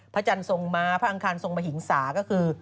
จันทร์ทรงม้าพระอังคารทรงมหิงศาก็คือ